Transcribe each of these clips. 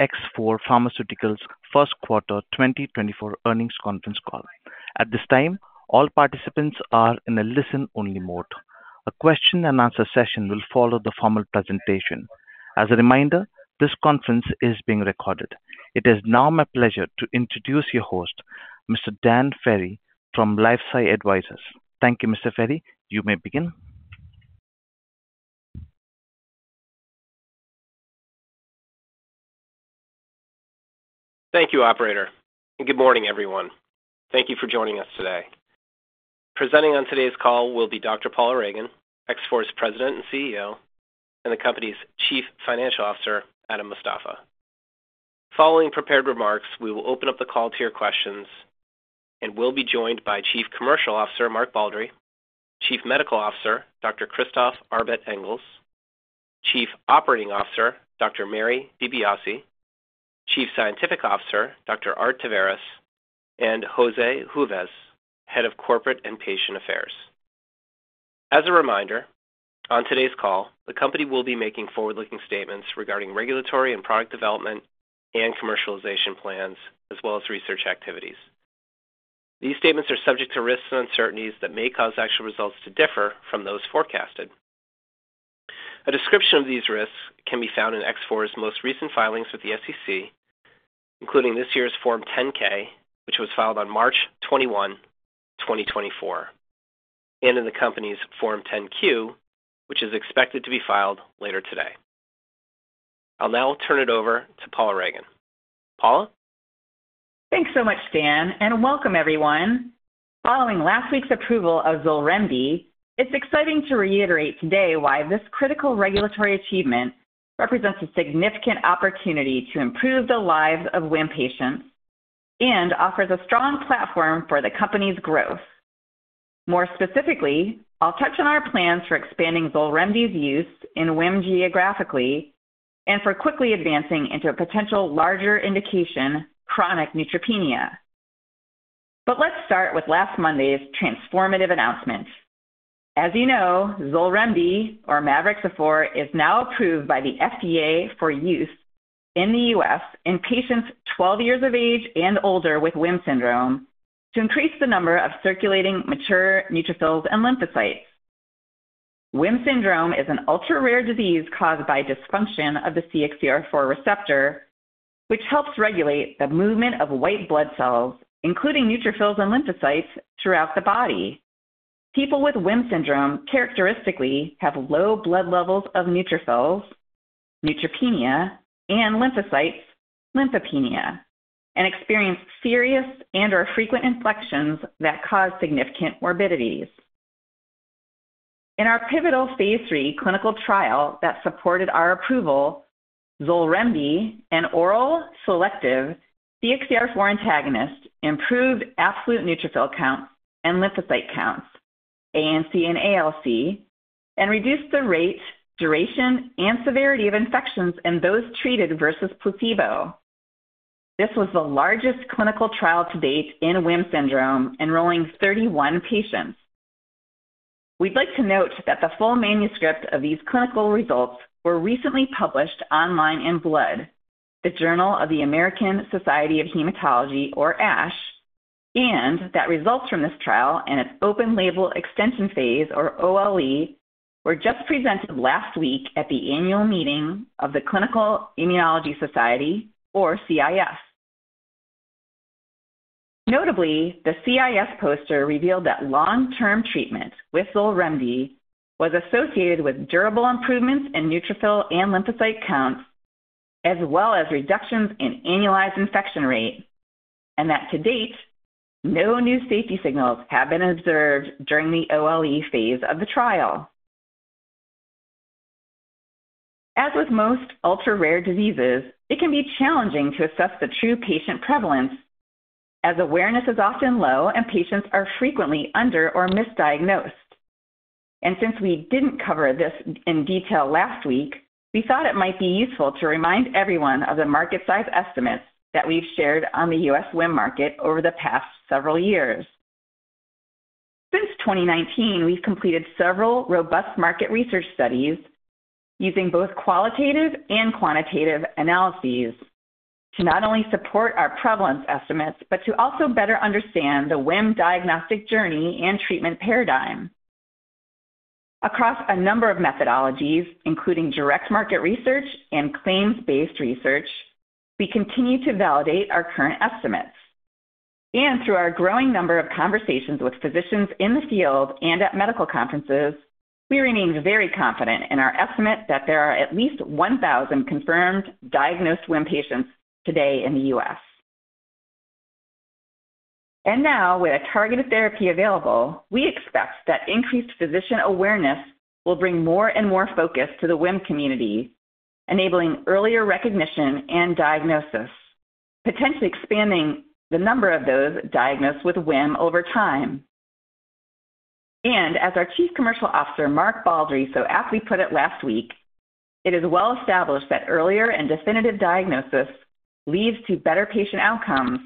X4 Pharmaceuticals Q1 2024 earnings conference call. At this time, all participants are in a listen-only mode. A question-and-answer session will follow the formal presentation. As a reminder, this conference is being recorded. It is now my pleasure to introduce your host, Mr. Dan Ferry, from LifeSci Advisors. Thank you, Mr. Ferry. You may begin. Thank you, Operator. Good morning, everyone. Thank you for joining us today. Presenting on today's call will be Dr. Paula Ragan, X4's President and CEO, and the company's Chief Financial Officer, Adam Mostafa. Following prepared remarks, we will open up the call to hear questions, and we'll be joined by Chief Commercial Officer, Mark Baldry; Chief Medical Officer, Dr. Christophe Arbet-Engels; Chief Operating Officer, Dr. Mary DiBiase; Chief Scientific Officer, Dr. Art Taveras; and José Juves, Head of Corporate and Patient Affairs. As a reminder, on today's call, the company will be making forward-looking statements regarding regulatory and product development and commercialization plans, as well as research activities. These statements are subject to risks and uncertainties that may cause actual results to differ from those forecasted. A description of these risks can be found in X4's most recent filings with the SEC, including this year's Form 10-K, which was filed on March 21, 2024, and in the company's Form 10-Q, which is expected to be filed later today. I'll now turn it over to Paula Ragan. Paula? Thanks so much, Dan, and welcome, everyone. Following last week's approval of XOLREMDI, it's exciting to reiterate today why this critical regulatory achievement represents a significant opportunity to improve the lives of WHIM patients and offers a strong platform for the company's growth. More specifically, I'll touch on our plans for expanding XOLREMDI's use in WHIM geographically and for quickly advancing into a potential larger indication, chronic neutropenia. But let's start with last Monday's transformative announcement. As you know, XOLREMDI, or mavorixafor, is now approved by the FDA for use in the U.S. in patients 12 years of age and older with WHIM syndrome to increase the number of circulating mature neutrophils and lymphocytes. WHIM syndrome is an ultra-rare disease caused by dysfunction of the CXCR4 receptor, which helps regulate the movement of white blood cells, including neutrophils and lymphocytes, throughout the body. People with WHIM syndrome, characteristically, have low blood levels of neutrophils, neutropenia, and lymphocytes, lymphopenia, and experience serious and/or frequent infections that cause significant morbidities. In our pivotal phase III clinical trial that supported our approval, XOLREMDI, an oral, selective, CXCR4 antagonist, improved absolute neutrophil counts and lymphocyte counts, ANC and ALC, and reduced the rate, duration, and severity of infections in those treated versus placebo. This was the largest clinical trial to date in WHIM syndrome, enrolling 31 patients. We'd like to note that the full manuscript of these clinical results were recently published online in Blood, the Journal of the American Society of Hematology, or ASH, and that results from this trial and its Open Label Extension, or OLE, were just presented last week at the annual meeting of the Clinical Immunology Society, or CIS. Notably, the CIS poster revealed that long-term treatment with XOLREMDI was associated with durable improvements in neutrophil and lymphocyte counts, as well as reductions in annualized infection rate, and that to date, no new safety signals have been observed during the OLE phase of the trial. As with most ultra-rare diseases, it can be challenging to assess the true patient prevalence, as awareness is often low and patients are frequently under- or misdiagnosed. Since we didn't cover this in detail last week, we thought it might be useful to remind everyone of the market-size estimates that we've shared on the U.S. WHIM market over the past several years. Since 2019, we've completed several robust market research studies using both qualitative and quantitative analyses to not only support our prevalence estimates but to also better understand the WHIM diagnostic journey and treatment paradigm. Across a number of methodologies, including direct market research and claims-based research, we continue to validate our current estimates. Through our growing number of conversations with physicians in the field and at medical conferences, we remain very confident in our estimate that there are at least 1,000 confirmed diagnosed WHIM patients today in the U.S. Now, with a targeted therapy available, we expect that increased physician awareness will bring more and more focus to the WHIM community, enabling earlier recognition and diagnosis, potentially expanding the number of those diagnosed with WHIM over time. As our Chief Commercial Officer, Mark Baldry, so aptly put it last week, it is well established that earlier and definitive diagnosis leads to better patient outcomes,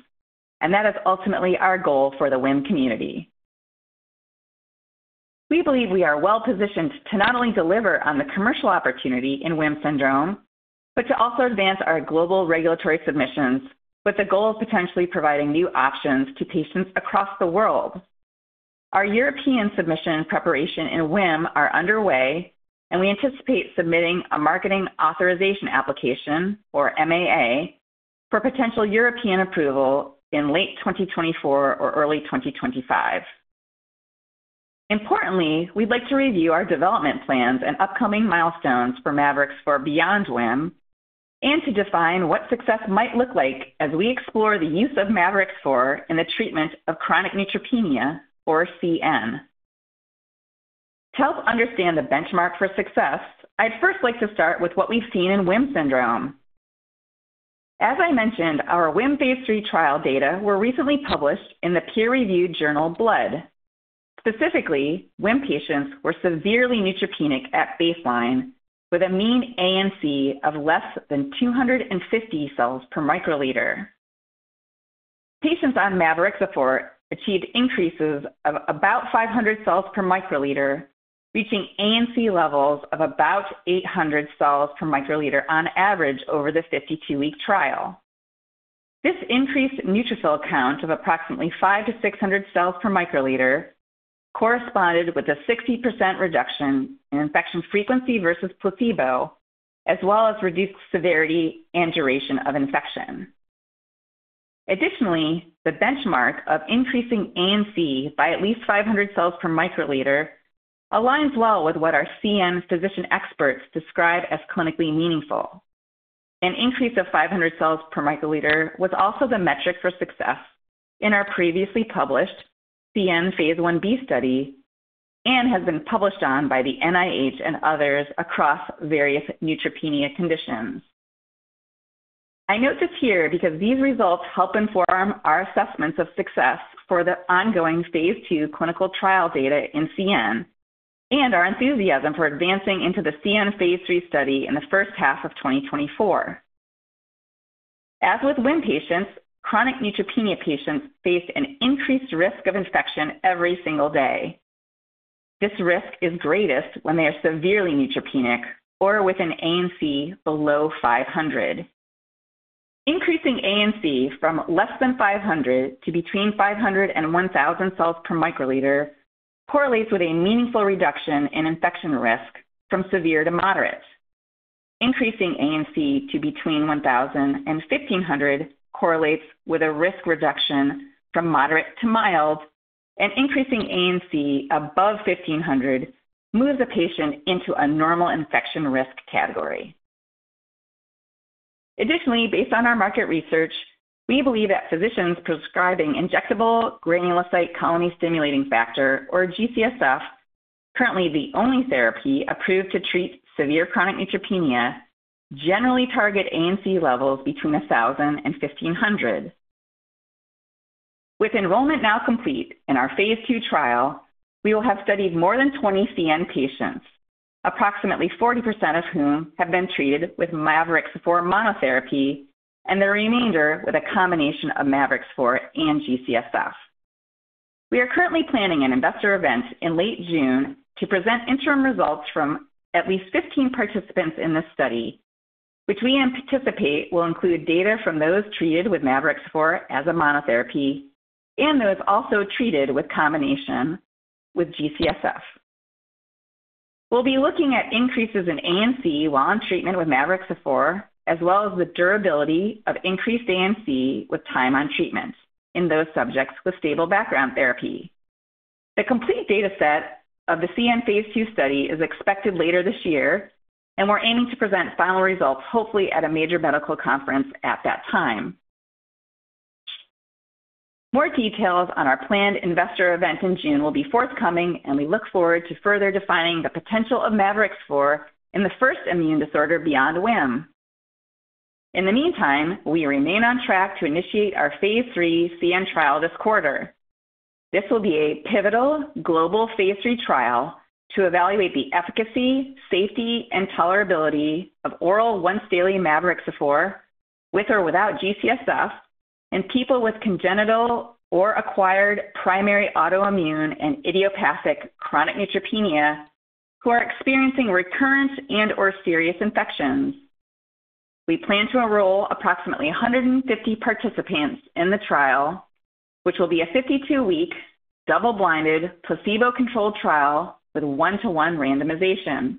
and that is ultimately our goal for the WHIM community. We believe we are well-positioned to not only deliver on the commercial opportunity in WHIM syndrome but to also advance our global regulatory submissions with the goal of potentially providing new options to patients across the world. Our European submission preparation in WHIM is underway, and we anticipate submitting a Marketing Authorization Application, or MAA, for potential European approval in late 2024 or early 2025. Importantly, we'd like to review our development plans and upcoming milestones for mavorixafor beyond WHIM and to define what success might look like as we explore the use of mavorixafor in the treatment of chronic neutropenia, or CN. To help understand the benchmark for success, I'd first like to start with what we've seen in WHIM syndrome. As I mentioned, our WHIM phase III trial data were recently published in the peer-reviewed journal Blood. Specifically, WHIM patients were severely neutropenic at baseline, with a mean ANC of less than 250 cells per microliter. Patients on mavorixafor achieved increases of about 500 cells per microliter, reaching ANC levels of about 800 cells per microliter on average over the 52-week trial. This increased neutrophil count of approximately 500-600 cells per microliter corresponded with a 60% reduction in infection frequency versus placebo, as well as reduced severity and duration of infection. Additionally, the benchmark of increasing ANC by at least 500 cells per microliter aligns well with what our CN physician experts describe as clinically meaningful. An increase of 500 cells per microliter was also the metric for success in our previously published CN phase Ib study and has been published on by the NIH and others across various neutropenia conditions. I note this here because these results help inform our assessments of success for the ongoing phase II clinical trial data in CN and our enthusiasm for advancing into the CN phase III study in the first half of 2024. As with WHIM patients, chronic neutropenia patients face an increased risk of infection every single day. This risk is greatest when they are severely neutropenic or with an ANC below 500. Increasing ANC from less than 500 to between 500-1,000 cells per microliter correlates with a meaningful reduction in infection risk from severe to moderate. Increasing ANC to between 1,000-1,500 correlates with a risk reduction from moderate to mild, and increasing ANC above 1,500 moves a patient into a normal infection risk category. Additionally, based on our market research, we believe that physicians prescribing injectable granulocyte colony-stimulating factor, or G-CSF, currently the only therapy approved to treat severe chronic neutropenia, generally target ANC levels between 1,000-1,500. With enrollment now complete in our phase II trial, we will have studied more than 20 CN patients, approximately 40% of whom have been treated with mavorixafor monotherapy and the remainder with a combination of mavorixafor and G-CSF. We are currently planning an investor event in late June to present interim results from at least 15 participants in this study, which we anticipate will include data from those treated with mavorixafor as a monotherapy and those also treated with a combination with G-CSF. We'll be looking at increases in ANC while on treatment with mavorixafor, as well as the durability of increased ANC with time on treatment in those subjects with stable background therapy. The complete dataset of the CN phase II study is expected later this year, and we're aiming to present final results hopefully at a major medical conference at that time. More details on our planned investor event in June will be forthcoming, and we look forward to further defining the potential of mavorixafor in the first immune disorder beyond WHIM. In the meantime, we remain on track to initiate our phase III CN trial this quarter. This will be a pivotal global phase III trial to evaluate the efficacy, safety, and tolerability of oral once-daily mavorixafor, with or without G-CSF, in people with congenital or acquired primary autoimmune and idiopathic chronic neutropenia who are experiencing recurrent and/or serious infections. We plan to enroll approximately 150 participants in the trial, which will be a 52-week, double-blinded, placebo-controlled trial with one-to-one randomization.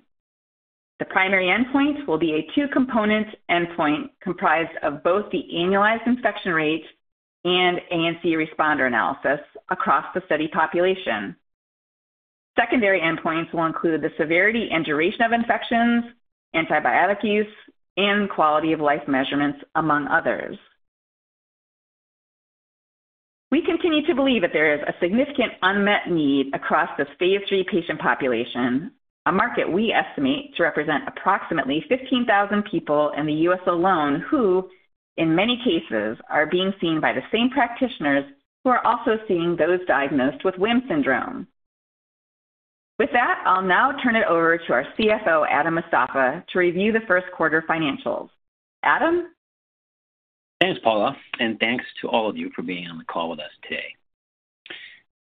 The primary endpoint will be a two-component endpoint comprised of both the annualized infection rate and ANC responder analysis across the study population. Secondary endpoints will include the severity and duration of infections, antibiotic use, and quality of life measurements, among others. We continue to believe that there is a significant unmet need across this phase III patient population, a market we estimate to represent approximately 15,000 people in the U.S. alone who, in many cases, are being seen by the same practitioners who are also seeing those diagnosed with WHIM syndrome. With that, I'll now turn it over to our CFO, Adam Mostafa, to review the Q1 financials. Adam? Thanks, Paula, and thanks to all of you for being on the call with us today.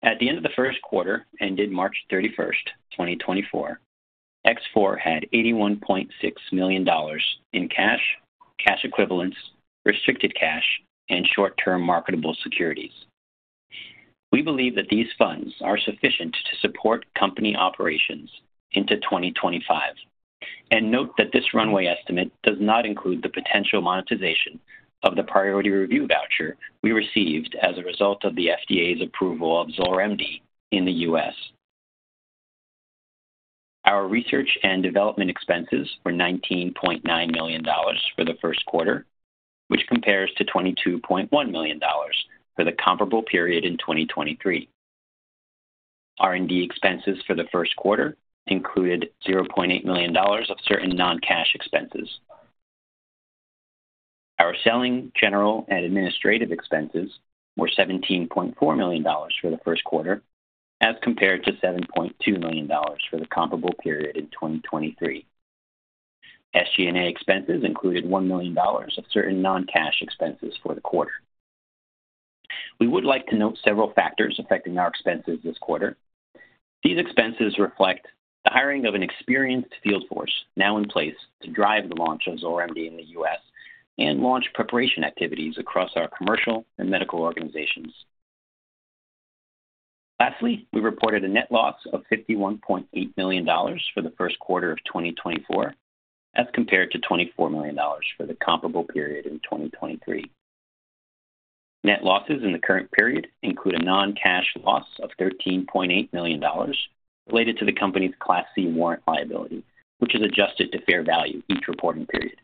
At the end of the Q1, ended 31 March, 2024, X4 had $81.6 million in cash, cash equivalents, restricted cash, and short-term marketable securities. We believe that these funds are sufficient to support company operations into 2025, and note that this runway estimate does not include the potential monetization of the priority review voucher we received as a result of the FDA's approval of XOLREMDI in the U.S. Our research and development expenses were $19.9 million for the Q1, which compares to $22.1 million for the comparable period in 2023. R&D expenses for the Q1 included $0.8 million of certain non-cash expenses. Our selling, general, and administrative expenses were $17.4 million for the Q1, as compared to $7.2 million for the comparable period in 2023. SG&A expenses included $1 million of certain non-cash expenses for the quarter. We would like to note several factors affecting our expenses this quarter. These expenses reflect the hiring of an experienced field force now in place to drive the launch of XOLREMDI in the U.S. and launch preparation activities across our commercial and medical organizations. Lastly, we reported a net loss of $51.8 million for the Q1 of 2024, as compared to $24 million for the comparable period in 2023. Net losses in the current period include a non-cash loss of $13.8 million related to the company's Class C warrant liability, which is adjusted to fair value each reporting period.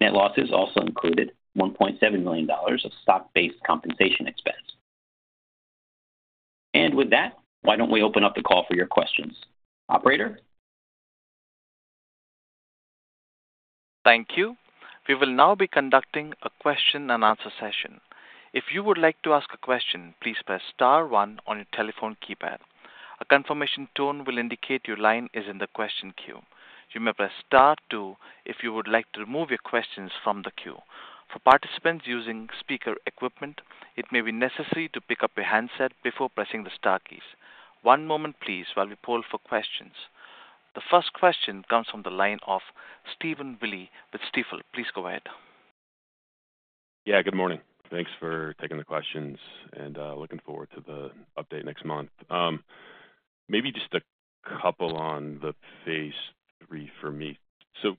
Net losses also included $1.7 million of stock-based compensation expense. And with that, why don't we open up the call for your questions? Operator? Thank you. We will now be conducting a question-and-answer session. If you would like to ask a question, please press * 1 on your telephone keypad. A confirmation tone will indicate your line is in the question queue. You may press * 2 if you would like to remove your questions from the queue. For participants using speaker equipment, it may be necessary to pick up your handset before pressing the star keys. One moment, please, while we poll for questions. The first question comes from the line of Stephen Willey with Stifel. Please go ahead. Yeah, good morning. Thanks for taking the questions, and looking forward to the update next month. Maybe just a couple on the phase III for me. So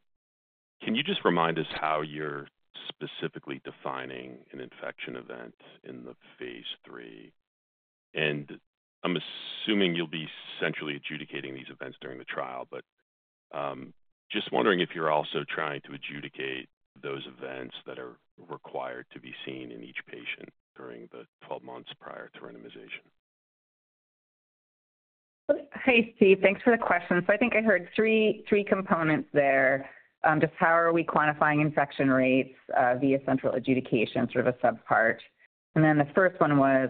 can you just remind us how you're specifically defining an infection event in the phase III? And I'm assuming you'll be centrally adjudicating these events during the trial, but just wondering if you're also trying to adjudicate those events that are required to be seen in each patient during the 12 months prior to randomization. Hey, Steve. Thanks for the question. So I think I heard three components there: just how are we quantifying infection rates via central adjudication, sort of a subpart? And then the first one was,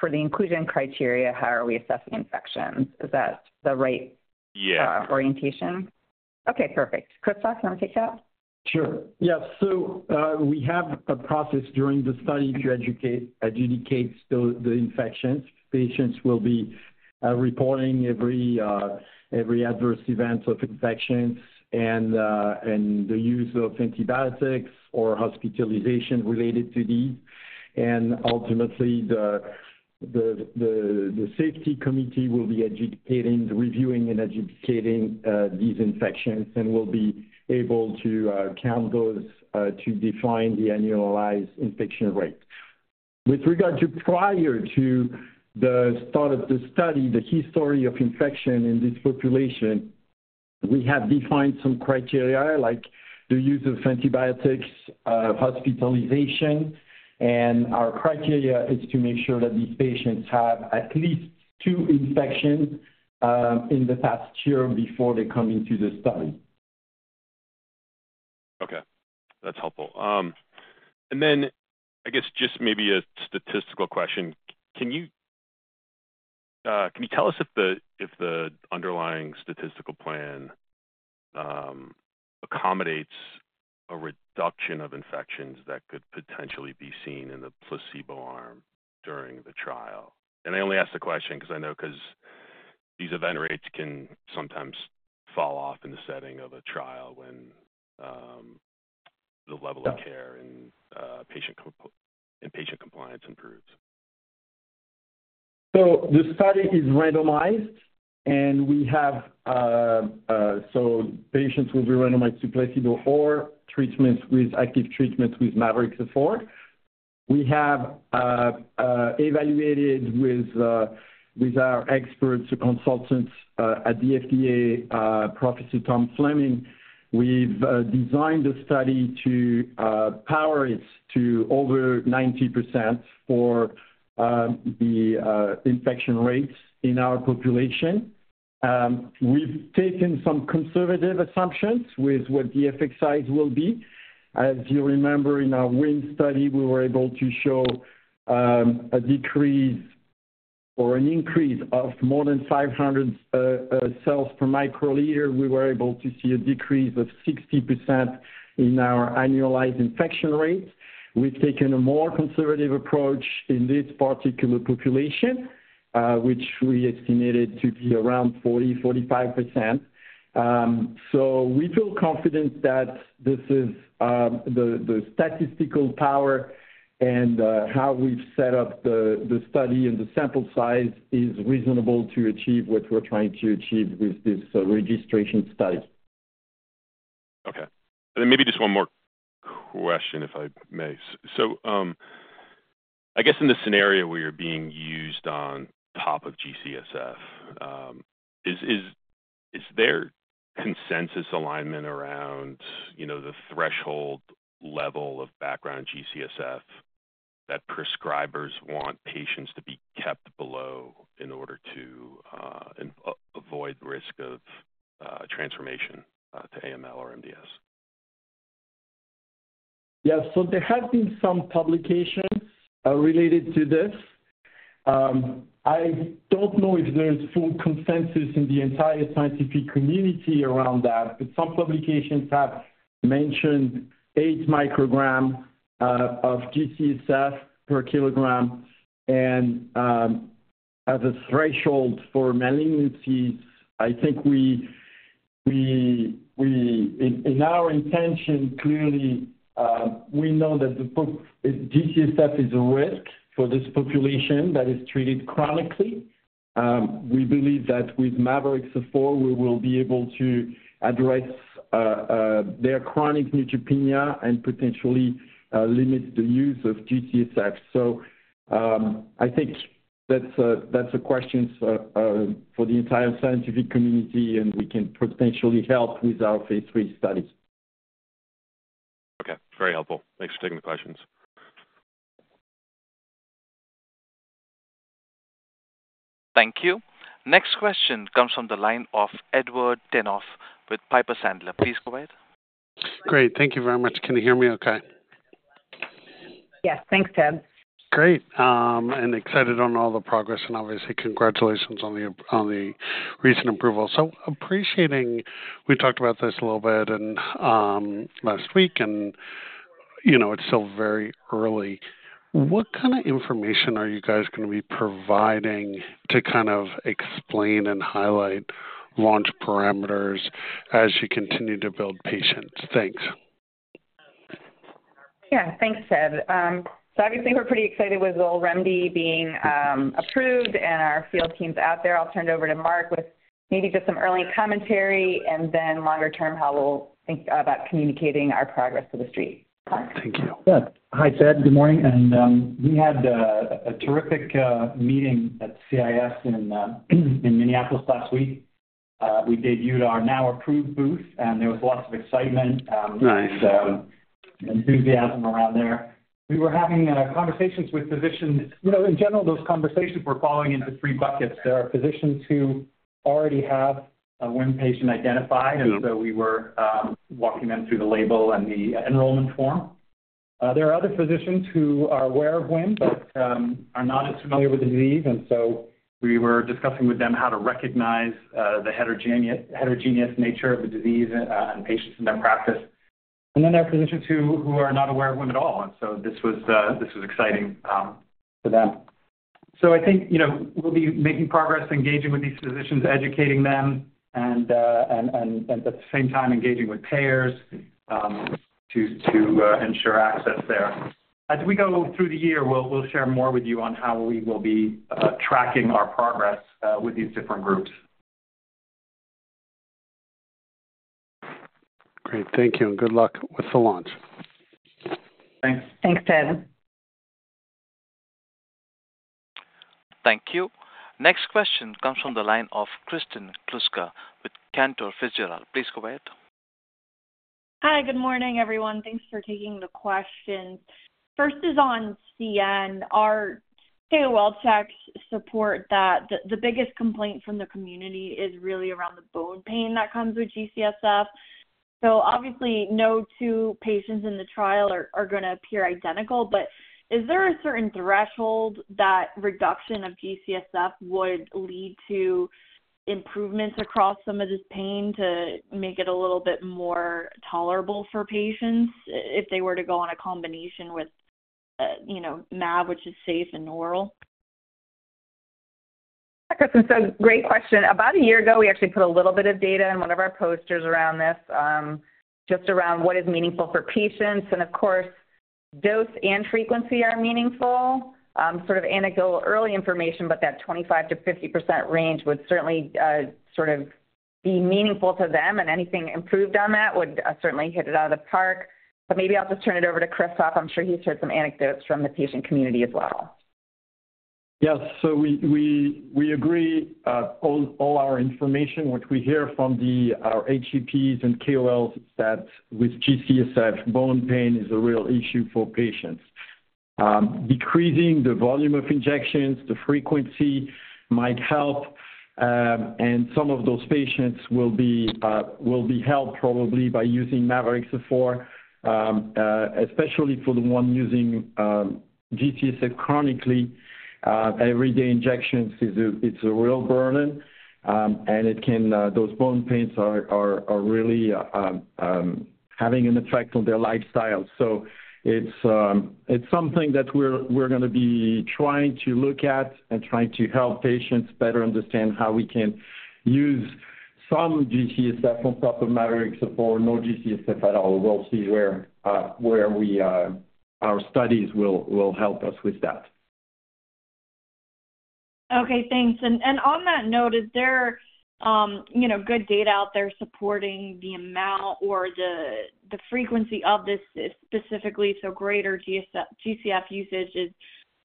for the inclusion criteria, how are we assessing infections? Is that the right orientation? Yeah. Okay, perfect. Christophe, you want to take that? Sure. Yeah, so we have a process during the study to adjudicate the infections. Patients will be reporting every adverse event of infections and the use of antibiotics or hospitalization related to these. Ultimately, the safety committee will be reviewing and adjudicating these infections and will be able to count those to define the annualized infection rate. With regard to, prior to the start of the study, the history of infection in this population, we have defined some criteria like the use of antibiotics, hospitalization, and our criteria is to make sure that these patients have at least two infections in the past year before they come into the study. Okay. That's helpful. And then, I guess, just maybe a statistical question. Can you tell us if the underlying statistical plan accommodates a reduction of infections that could potentially be seen in the placebo arm during the trial? And I only ask the question because I know these event rates can sometimes fall off in the setting of a trial when the level of care and patient compliance improves. So the study is randomized, and we have so patients will be randomized to placebo or active treatments with mavorixafor. We have evaluated with our experts and consultants at the FDA, Professor Tom Fleming. We've designed the study to power it to over 90% for the infection rates in our population. We've taken some conservative assumptions with what the effect size will be. As you remember, in our WHIM study, we were able to show a decrease or an increase of more than 500 cells per microliter. We were able to see a decrease of 60% in our annualized infection rate. We've taken a more conservative approach in this particular population, which we estimated to be around 40% to 45%. We feel confident that the statistical power and how we've set up the study and the sample size is reasonable to achieve what we're trying to achieve with this registration study. Okay. And then maybe just one more question, if I may. So I guess in the scenario where you're being used on top of G-CSF, is there consensus alignment around the threshold level of background G-CSF that prescribers want patients to be kept below in order to avoid the risk of transformation to AML or MDS? Yeah, so there have been some publications related to this. I don't know if there's full consensus in the entire scientific community around that, but some publications have mentioned 8 micrograms of G-CSF per kilogram. And as a threshold for malignancies, I think in our intention, clearly, we know that G-CSF is a risk for this population that is treated chronically. We believe that with mavorixafor, we will be able to address their chronic neutropenia and potentially limit the use of G-CSF. So I think that's a question for the entire scientific community, and we can potentially help with our phase III studies. Okay. Very helpful. Thanks for taking the questions. Thank you. Next question comes from the line of Edward Tenthoff with Piper Sandler. Please go ahead. Great. Thank you very much. Can you hear me okay? Yes. Thanks, Ted. Great. Excited on all the progress, and obviously, congratulations on the recent approval. We talked about this a little bit last week, and it's still very early. What kind of information are you guys going to be providing to kind of explain and highlight launch parameters as you continue to build patients? Thanks. Yeah. Thanks, Ted. So obviously, we're pretty excited with XOLREMDI being approved and our field teams out there. I'll turn it over to Mark with maybe just some early commentary and then longer-term how we'll think about communicating our progress to the street. Mark? Thank you. Yeah. Hi, Ted. Good morning. We had a terrific meeting at CIS in Minneapolis last week. We debuted our now-approved booth, and there was lots of excitement and enthusiasm around there. We were having conversations with physicians in general, those conversations were falling into three buckets. There are physicians who already have a WHIM patient identified, and so we were walking them through the label and the enrollment form. There are other physicians who are aware of WHIM but are not as familiar with the disease, and so we were discussing with them how to recognize the heterogeneous nature of the disease and patients in their practice. And then there are physicians who are not aware of WHIM at all, and so this was exciting for them. I think we'll be making progress, engaging with these physicians, educating them, and at the same time, engaging with payers to ensure access there. As we go through the year, we'll share more with you on how we will be tracking our progress with these different groups. Great. Thank you, and good luck with the launch. Thanks. Thanks, Ted. Thank you. Next question comes from the line of Kristen Kluska with Cantor Fitzgerald. Please go ahead. Hi. Good morning, everyone. Thanks for taking the questions. First is on CN. Our payroll checks support that the biggest complaint from the community is really around the bone pain that comes with G-CSF. So obviously, no two patients in the trial are going to appear identical, but is there a certain threshold that reduction of G-CSF would lead to improvements across some of this pain to make it a little bit more tolerable for patients if they were to go on a combination with mavorixafor, which is safe and oral? Yeah, Kristen, so great question. About a year ago, we actually put a little bit of data in one of our posters around this, just around what is meaningful for patients. And of course, dose and frequency are meaningful, sort of anecdotal early information, but that 25% to 50% range would certainly sort of be meaningful to them, and anything improved on that would certainly hit it out of the park. But maybe I'll just turn it over to Christophe. I'm sure he's heard some anecdotes from the patient community as well. Yes. So we agree all our information, what we hear from our HCPs and KOLs, is that with G-CSF, bone pain is a real issue for patients. Decreasing the volume of injections, the frequency, might help, and some of those patients will be helped probably by using mavorixafor, especially for the one using G-CSF chronically. Every day injections, it's a real burden, and those bone pains are really having an effect on their lifestyle. So it's something that we're going to be trying to look at and trying to help patients better understand how we can use some G-CSF on top of mavorixafor or no G-CSF at all. We'll see where our studies will help us with that. Okay. Thanks. And on that note, is there good data out there supporting the amount or the frequency of this specifically? So greater G-CSF usage is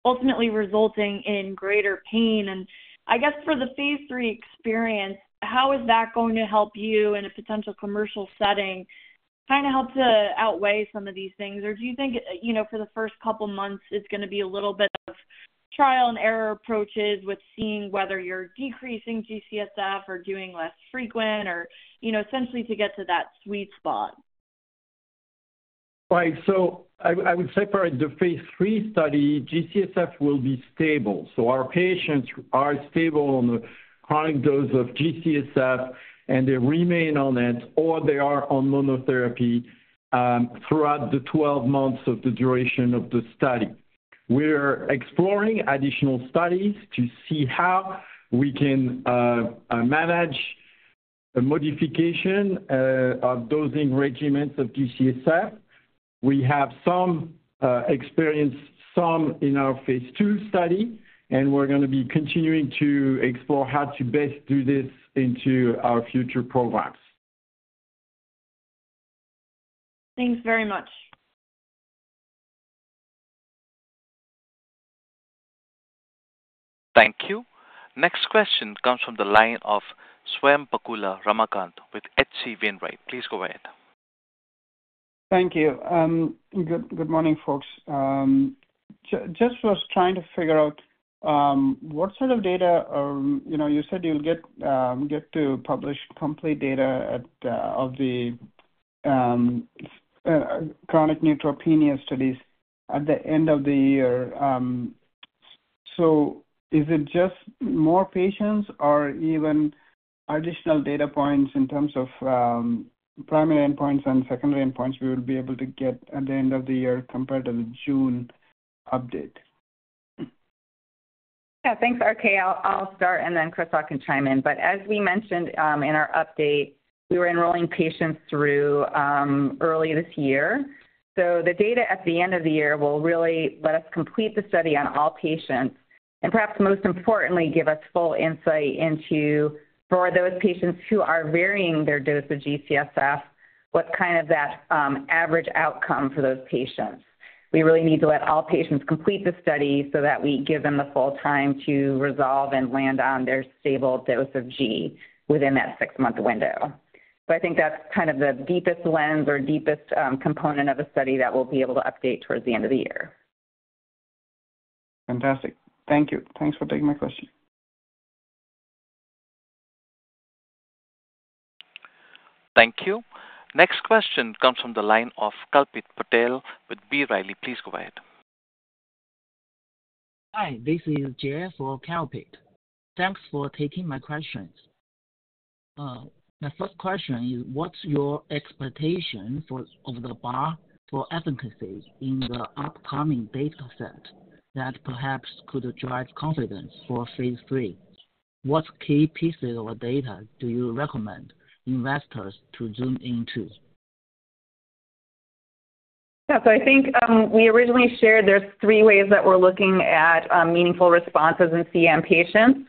ultimately resulting in greater pain. And I guess for the phase III experience, how is that going to help you in a potential commercial setting kind of help to outweigh some of these things? Or do you think for the first couple of months, it's going to be a little bit of trial-and-error approaches with seeing whether you're decreasing G-CSF or doing less frequent, or essentially to get to that sweet spot? Right. So I would say for the phase III study, G-CSF will be stable. So our patients are stable on a chronic dose of G-CSF, and they remain on it, or they are on monotherapy throughout the 12 months of the duration of the study. We're exploring additional studies to see how we can manage a modification of dosing regimens of G-CSF. We have experienced some in our phase II study, and we're going to be continuing to explore how to best do this into our future programs. Thanks very much. Thank you. Next question comes from the line of Swayampakula Ramakanth with H.C. Wainwright & Co. Please go ahead. Thank you. Good morning, folks. Just was trying to figure out what sort of data you said you'll get to publish complete data of the chronic neutropenia studies at the end of the year. So is it just more patients or even additional data points in terms of primary endpoints and secondary endpoints we will be able to get at the end of the year compared to the June update? Yeah. Thanks, RK. I'll start, and then Christophe can chime in. But as we mentioned in our update, we were enrolling patients through early this year. So the data at the end of the year will really let us complete the study on all patients and perhaps most importantly, give us full insight into for those patients who are varying their dose of G-CSF, what's kind of that average outcome for those patients. We really need to let all patients complete the study so that we give them the full time to resolve and land on their stable dose of G-CSF within that six-month window. So I think that's kind of the deepest lens or deepest component of the study that we'll be able to update towards the end of the year. Fantastic. Thank you. Thanks for taking my question. Thank you. Next question comes from the line of Kalpit Patel with B. Riley. Please go ahead. Hi. This is Jayas from Kalpit. Thanks for taking my questions. My first question is, what's your expectation of the bar for efficacy in the upcoming dataset that perhaps could drive confidence for phase III? What key pieces of data do you recommend investors to zoom into? Yeah. So I think we originally shared there's three ways that we're looking at meaningful responses in CN patients.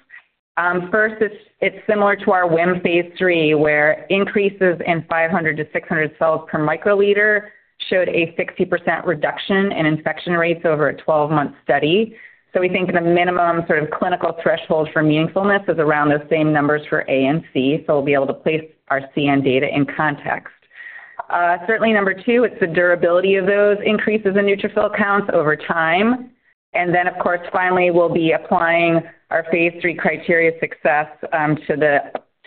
First, it's similar to our WHIM phase III, where increases in 500-600 cells per microliter showed a 60% reduction in infection rates over a 12-month study. So we think the minimum sort of clinical threshold for meaningfulness is around those same numbers for ANC, so we'll be able to place our CN data in context. Certainly, number two, it's the durability of those increases in neutrophil counts over time. And then, of course, finally, we'll be applying our phase III criteria of success to the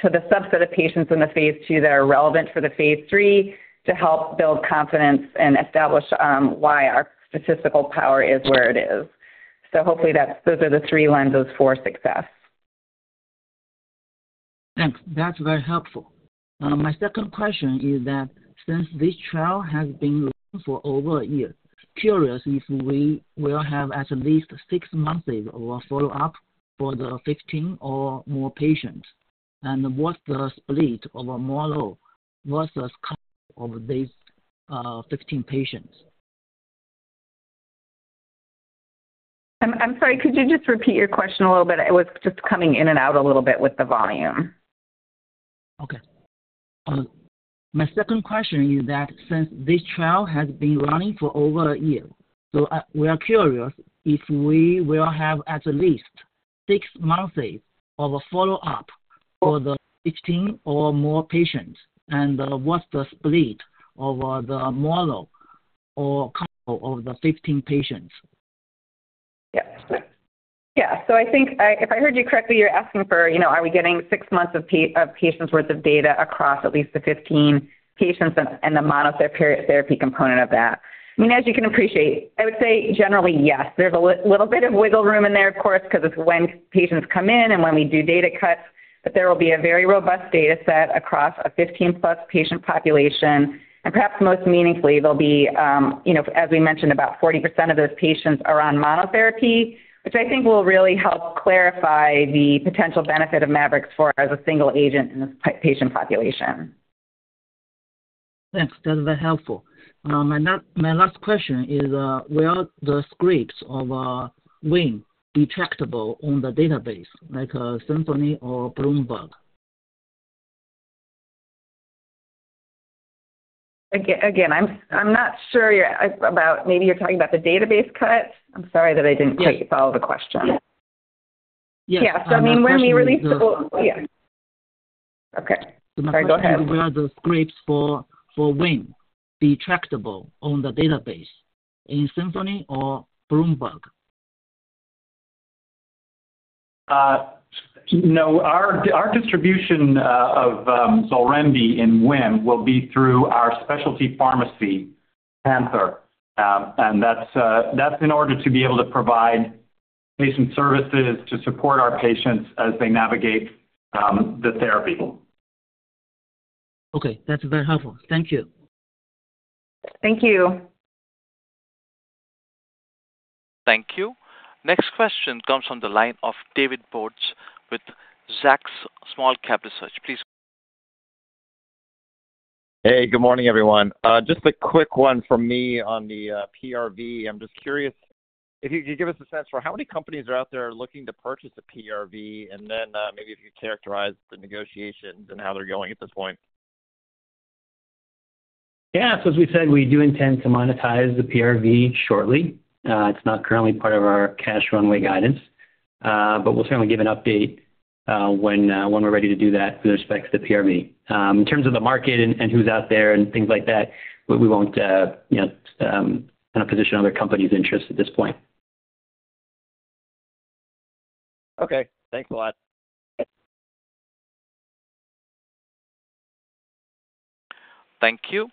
subset of patients in the phase II that are relevant for the phase III to help build confidence and establish why our statistical power is where it is. So hopefully, those are the three lenses for success. Thanks. That's very helpful. My second question is that since this trial has been running for over a year, curious if we will have at least six months of follow-up for the 15 or more patients, and what's the split of a mono versus chronic of these 15 patients? I'm sorry. Could you just repeat your question a little bit? It was just coming in and out a little bit with the volume. Okay. My second question is that since this trial has been running for over a year, so we are curious if we will have at least 6 months of follow-up for the 15 or more patients, and what's the split of the mono or chronic of the 15 patients? Yeah. So I think if I heard you correctly, you're asking, are we getting six months of patients' worth of data across at least the 15 patients and the monotherapy component of that. I mean, as you can appreciate, I would say generally, yes. There's a little bit of wiggle room in there, of course, because it's when patients come in and when we do data cuts, but there will be a very robust dataset across a 15-plus patient population. And perhaps most meaningfully, there'll be, as we mentioned, about 40% of those patients are on monotherapy, which I think will really help clarify the potential benefit of mavorixafor as a single agent in this patient population. Thanks. That's very helpful. My last question is, will the scripts for WHIM be trackable on the databases like Symphony or Bloomberg? Again, I'm not sure about maybe you're talking about the database cuts. I'm sorry that I didn't quite follow the question. Yes. Yeah. So, I mean, when we release the yeah. Okay. Sorry. Go ahead. So my question is, will the scripts for WHIM be trackable on the database in Symphony or Bloomberg? No. Our distribution of XOLREMDI in WHIM will be through our specialty pharmacy, PANTHERx, and that's in order to be able to provide patient services to support our patients as they navigate the therapy. Okay. That's very helpful. Thank you. Thank you. Thank you. Next question comes from the line of David Bautz with Zacks Small-Cap Research. Please. Hey. Good morning, everyone. Just a quick one from me on the PRV. I'm just curious if you could give us a sense for how many companies are out there looking to purchase a PRV, and then maybe if you could characterize the negotiations and how they're going at this point. Yeah. So as we said, we do intend to monetize the PRV shortly. It's not currently part of our cash runway guidance, but we'll certainly give an update when we're ready to do that with respect to the PRV. In terms of the market and who's out there and things like that, we won't kind of position other companies' interests at this point. Okay. Thanks a lot. Thank you.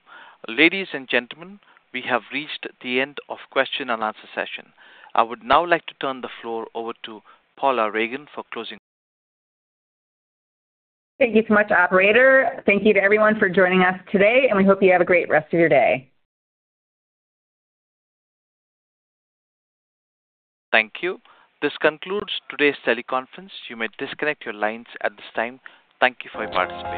Ladies and gentlemen, we have reached the end of question-and-answer session. I would now like to turn the floor over to Paula Ragan for closing. Thank you so much, operator. Thank you to everyone for joining us today, and we hope you have a great rest of your day. Thank you. This concludes today's teleconference. You may disconnect your lines at this time. Thank you for your participation.